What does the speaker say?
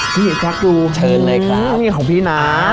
นี่จ๊ะดูนี่ของพี่นะ